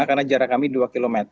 karena jarak kami dua km